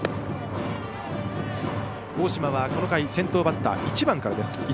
大島はこの回先頭バッター１番からです。